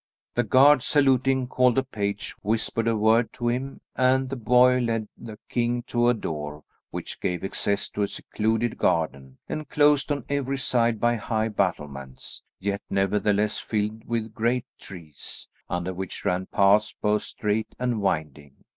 The guard, saluting, called a page, whispered a word to him, and the boy led the king to a door which gave access to a secluded garden, enclosed on every side by high battlements, yet nevertheless filled with great trees, under which ran paths both straight and winding.